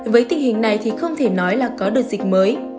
với tình hình này thì không thể nói là có đợt dịch mới